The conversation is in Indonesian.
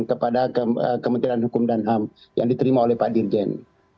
kepada kementerian hukum dan ham yang diterima oleh pak dirjen